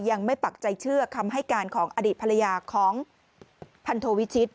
ปักใจเชื่อคำให้การของอดีตภรรยาของพันโทวิชิต